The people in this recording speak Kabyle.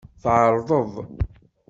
Tɛeṛḍeḍ.